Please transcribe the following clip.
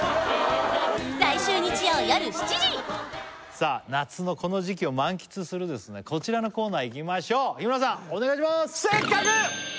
さあ夏のこの時季を満喫するこちらのコーナーいきましょう日村さんお願いします！